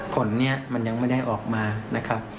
ผลนี้มันยังไม่ได้ออกมานะครับ